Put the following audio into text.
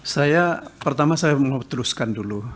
saya pertama saya mau teruskan dulu